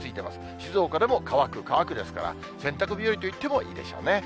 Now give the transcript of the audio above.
静岡でも乾く、乾くですから、洗濯日和といってもいいでしょうね。